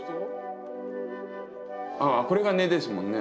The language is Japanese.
ああこれが根ですもんね。